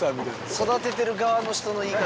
育ててる側の人の言い方。